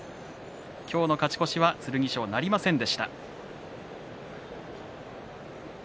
今日の勝ち越しは剣翔なりませんでした。